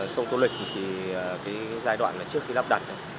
sông tô lịch thì cái giai đoạn là trước khi lắp đặt